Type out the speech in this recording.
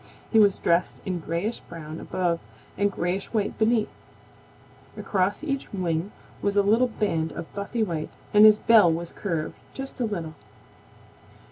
He was dressed in grayish brown above and grayish white beneath. Across each wing was a little band of buffy white, and his bill was curved just a little.